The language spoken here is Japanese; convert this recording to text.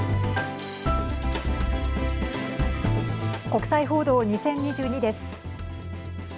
国際報道２０２２です。